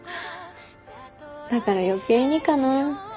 だから余計にかな。